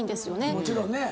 もちろんね。